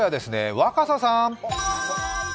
若狭さん。